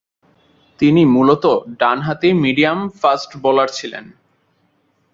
তিনি মূলতঃ ডানহাতি মিডিয়াম-ফাস্ট বোলার ছিলেন।